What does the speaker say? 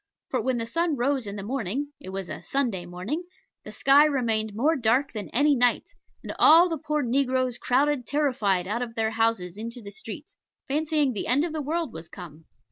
For when the sun rose in the morning (it was a Sunday morning), the sky remained more dark than any night, and all the poor negroes crowded terrified out of their houses into the streets, fancying the end of the world was come.